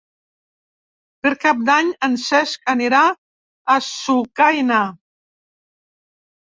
Per Cap d'Any en Cesc anirà a Sucaina.